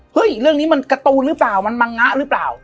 เรื่องนี้มันการ์ตูนหรือเปล่ามันมังงะหรือเปล่า